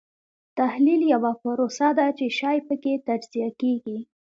تحلیل یوه پروسه ده چې شی پکې تجزیه کیږي.